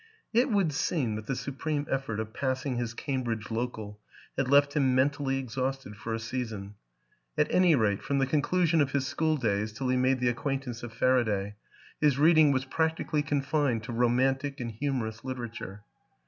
It would seem that the supreme effort of pass ing his Cambridge Local had left him mentally exhausted for a season; at any rate, from the con clusion of his school days till he made the ac quaintance of Faraday, his reading was practically confined to romantic and humorous literature.